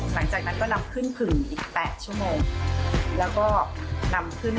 หลังจากนั้นก็นำขึ้นผึ่งอีก๘ชั่วโมงแล้วก็นำขึ้นกระบะคอนโด